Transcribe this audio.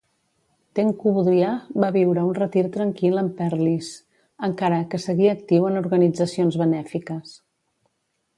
Tengku Budriah va viure un retir tranquil en Perlis, encara que seguia actiu en organitzacions benèfiques.